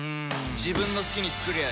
自分の好きに作りゃいい